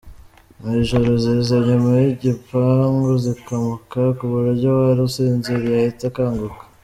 Mu ijoro ziza inyuma y’igipangu zikamoka ku buryo uwari usinziriye ahita akanguka.